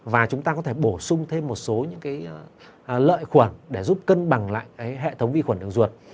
và chúng ta có thể bổ sung thêm một số những cái lợi khuẩn để giúp cân bằng lại hệ thống vi khuẩn đường ruột